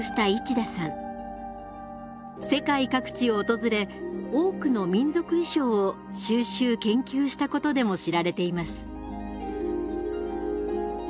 世界各地を訪れ多くの民族衣装を収集・研究したことでも知られています。